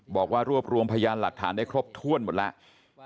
บอกว่ารวบรวมพยานหลักฐานได้ครบถ้วนหมดแล้ว